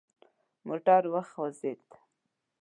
موټر وخوځید.